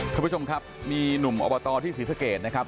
คุณผู้ชมครับมีหนุ่มอบตที่ศรีสะเกดนะครับ